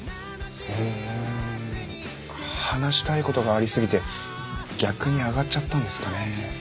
ん話したいことがありすぎて逆にあがっちゃったんですかね。